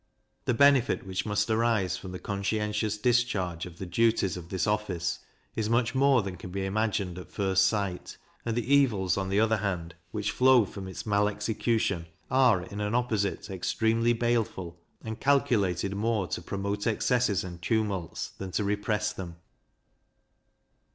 The benefit which must arise from the conscientious discharge of the duties of this office is much more than can be imagined at first sight; and the evils, on the other hand, which flow from its mal execution, are in an opposite extremely baleful, and calculated more to promote excesses and tumults than to repress them.